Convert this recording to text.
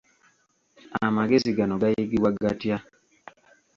Amagezi gano gayigibwa gatya?